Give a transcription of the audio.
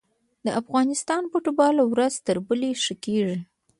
د افغانستان فوټبال ورځ تر بلې ښه کیږي.